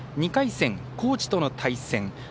２回戦、高知との対戦。